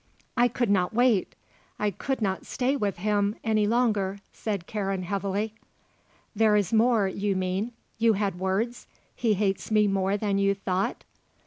"I could not wait. I could not stay with him any longer," said Karen heavily. "There is more, you mean. You had words? He hates me more than you thought?"